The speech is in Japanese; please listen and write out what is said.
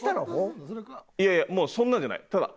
いやいやもうそんなんじゃないただ。